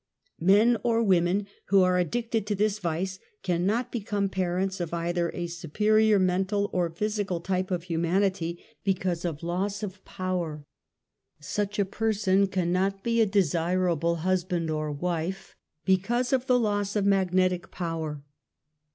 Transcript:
Men or women who are addicted to this vice, cannot become parents of either a superior mental or physical type of humanity, be cause of loss of power. Such a person cannot be a desirable husband or wife, because of the loss of magnetic power.